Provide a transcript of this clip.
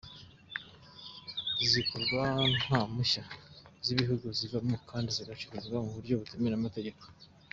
Zikorwa nta mpushya z’ibihugu zivamo kandi zigacuruzwa mu buryo butemewe n’amategeko.